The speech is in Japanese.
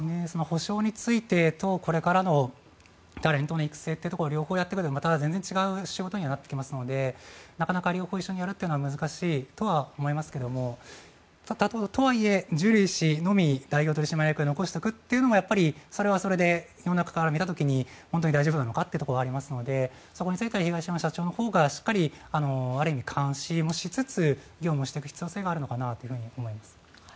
補償についてとこれからのタレントの育成というところの両方をやっていくのはまた全然違う仕事になっていきますのでなかなか両方一緒にやるというのは難しいとは思いますがとはいえジュリー氏のみ代表取締役で残しておくというのもそれはそれで世の中から見た時に本当に大丈夫なのかというところはありますのでそこについては東山社長のほうがしっかりとある意味監視もしつつ業務をしていく必要性があるのかなと思います。